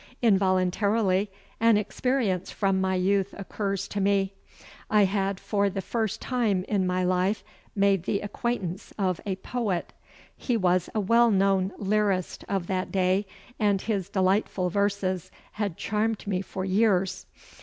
Involuntarily an experience from my youth occurs to me. I had for the first time in my life made the acquaintance of a poet. He was a well known lyrist of that day and his delightful verses had charmed me for years.